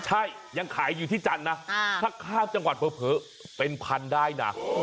ใช่ยังขายอยู่ที่จันทร์นะถ้าข้ามจังหวัดเผลอเป็นพันได้นะ